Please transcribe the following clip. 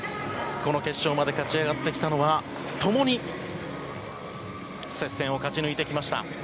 この決勝まで勝ち上がってきたのは、ともに接戦を勝ち抜いてきました、